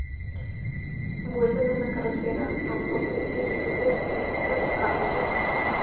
Vuelven a la carretera a proseguir su viaje y visitar a la abuela.